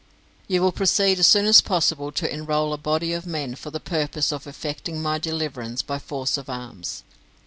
You will proceed as soon as possible to enrol a body of men for the purpose of effecting my deliverance by force of arms.